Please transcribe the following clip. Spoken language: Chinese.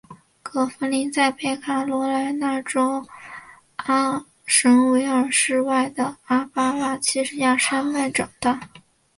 葛福临在北卡罗来纳州阿什维尔市外的阿巴拉契亚山脉长大。